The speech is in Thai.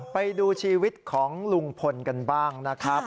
ไปดูชีวิตของลุงพลกันบ้างนะครับ